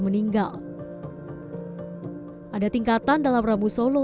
jadi tinggalkan uang dalam ya caro